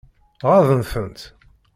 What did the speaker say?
Ɣaḍen-tent?